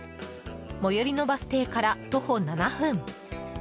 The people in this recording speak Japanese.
最寄りのバス停から徒歩７分。